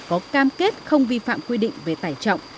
có cam kết không vi phạm quy định về tải trọng